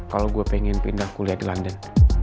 kalau gue pengen pindah kuliah di london